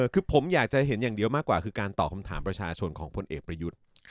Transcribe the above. คือผมอยากจะเห็นอย่างเดียวมากกว่าคือการตอบคำถามประชาชนของพลเอกประยุทธ์